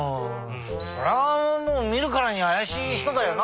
それはみるからにあやしい人だよな。